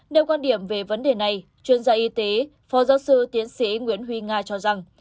nêu quan điểm về vấn đề này chuyên gia y tế phó giáo sư tiến sĩ nguyễn huy nga cho rằng